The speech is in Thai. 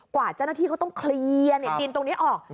กว่าเจ้าหน้าที่เขาต้องเคลียร์ดินตรงนี้ออก